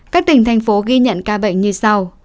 các tỉnh thành phố ghi nhận ca bệnh như sau